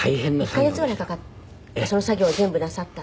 １カ月ぐらいかかったその作業を全部なさった。